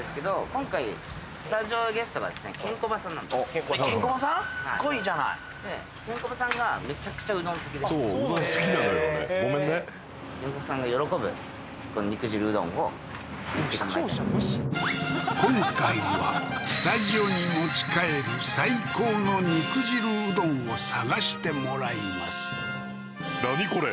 今回はスタジオに持ち帰る最高の肉汁うどんを探してもらいます何？